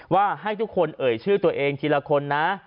ว่าให้ทุกคนเอ่ยชื่อตัวเองทีละคนนะ